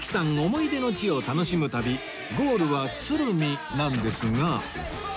思い出の地を楽しむ旅ゴールは鶴見なんですが